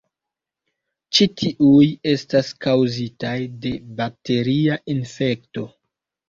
Ĉi tiuj estas kaŭzitaj de bakteria infekto.